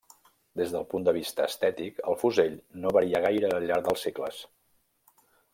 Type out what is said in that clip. Des del punt de vista estètic, el fusell no varià gaire al llarg dels segles.